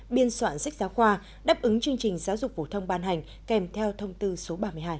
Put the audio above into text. biên soạn sách giáo khoa đáp ứng chương trình giáo dục vũ thông ban hành kèm theo thông tư số ba mươi hai